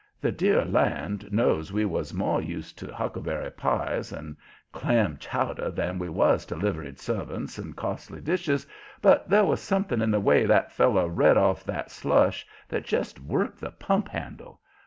The dear land knows we was more used to huckleberry pies and clam chowder than we was to liveried servants and costly dishes, but there was something in the way that feller read off that slush that just worked the pump handle.